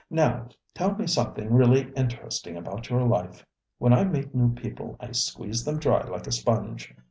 Now, tell me something really interesting about your life. When I meet new people I squeeze them dry like a sponge.